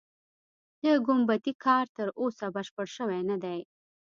د ګومبتې کار تر اوسه بشپړ شوی نه دی.